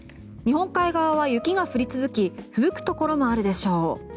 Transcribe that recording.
日本海側は雪が降り続きふぶくところもあるでしょう。